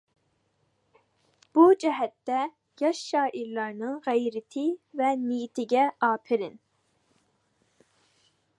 بۇ جەھەتتە ياش شائىرلارنىڭ غەيرىتى ۋە نىيىتىگە ئاپىرىن!